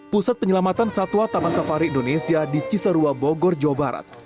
pusat penyelamatan satwa taman safari indonesia di cisarua bogor jawa barat